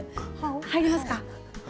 入りますか？